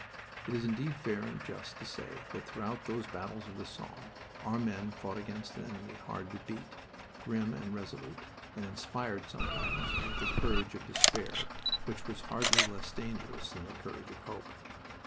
It is indeed fair and just to say that throughout those battles of the Somme our men fought against an enemy hard to beat, grim and resolute, and inspired sometimes with the courage of despair, which was hardly less dangerous than the courage of hope.